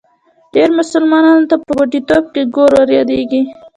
ډېری مسلمانانو ته په بوډاتوب کې ګور وریادېږي.